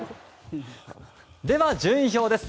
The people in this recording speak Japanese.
では順位表です。